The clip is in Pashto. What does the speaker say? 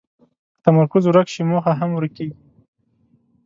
که تمرکز ورک شي، موخه هم ورکېږي.